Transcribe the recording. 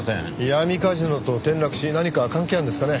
闇カジノと転落死何か関係があるんですかね？